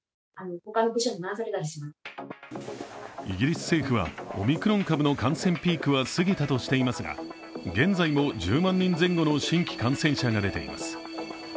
イギリス政府はオミクロン株の感染ピークは過ぎたとしていますが現在も１０万人前後の新規感染者が出ています。